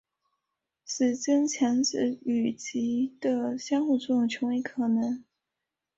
使增强子与及的相互作用成为可能。